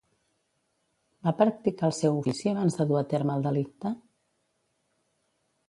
Va practicar el seu ofici abans de dur a terme el delicte?